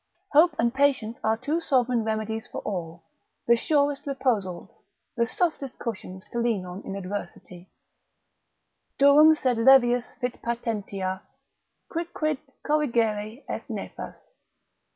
Hope and patience are two sovereign remedies for all, the surest reposals, the softest cushions to lean on in adversity: Durum sed levius fit patientia, Quicquid corrigere est nefas.